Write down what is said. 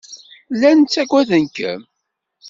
Llan ttaggaden-kem.